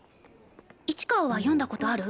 市川は読んだ事ある？